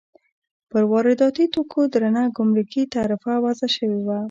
پر وارداتي توکو درنه ګمرکي تعرفه وضع شوې وه.